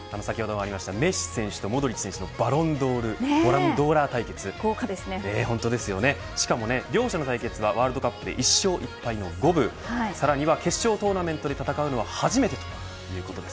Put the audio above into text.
メッシ選手とモドリッチ選手のパロンドーラー対決両者の対決はワールドカップで１勝１敗の五分さらには決勝トーナメントで戦うのは初めてということです。